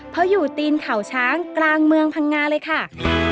เพราะอยู่ตีนเขาช้างกลางเมืองพังงาเลยค่ะ